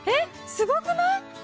すごくない？